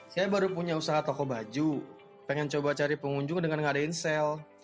saya baru punya usaha toko baju pengen coba cari pengunjung dengan ngadain sel